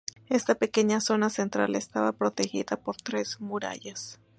Esta pequeña zona central estaba protegida por tres murallas.